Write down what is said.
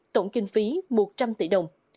tổng kinh phí một trăm linh triệu đồng